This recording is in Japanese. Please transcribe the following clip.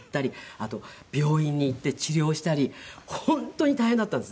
あと病院に行って治療をしたり本当に大変だったんですね。